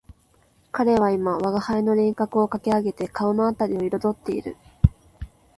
彼は今吾輩の輪廓をかき上げて顔のあたりを色彩っている